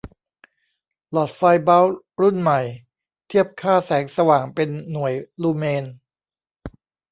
หลอดไฟล์บัลบ์รุ่นใหม่ เทียบค่าแสงสว่าง เป็นหน่วย ลูเมน